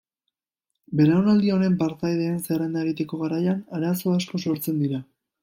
Belaunaldi honen partaideen zerrenda egiteko garaian arazo asko sortzen dira.